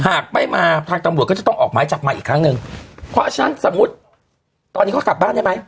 หากไม่มาทางตำรวจก็จะต้องออกหมายจับมาอีกครั้งหนึ่งเพราะฉะนั้นสมมุติตอนนี้เขากลับบ้านได้ไหม